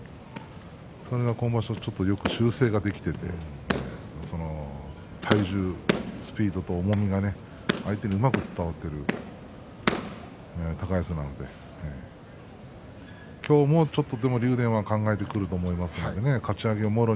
それが今場所よく修正ができていて体重、スピードと重みが相手にうまく伝わっている高安なので今日も竜電、ちょっと考えてくると思いますよ。